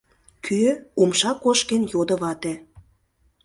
— Кӧ? — умша кошкен йодо вате.